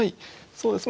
そうですね。